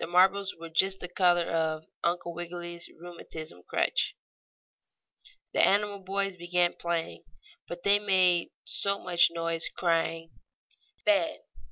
The marbles were just the color of Uncle Wiggily's rheumatism crutch. The animal boys began playing, but they made so much noise, crying "Fen!"